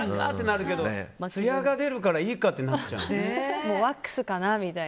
なるけどつやが出るからいいかってなっちゃうの。